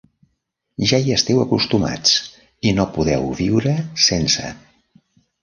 Ja hi esteu acostumats i no podeu viure sense.